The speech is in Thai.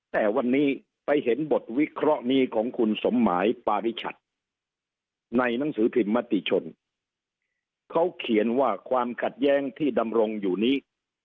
แต่วันนี้ไปเห็นบทวิเคราะห์นี้ของคุณสมหมายปาริชัดในหนังสือพิมพ์มติชนเขาเขียนว่าความขัดแย้งที่ดำรงอยู่นี้